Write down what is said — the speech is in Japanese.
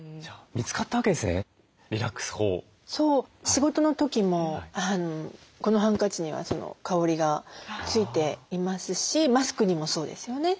仕事の時もこのハンカチには香りが付いていますしマスクにもそうですよね。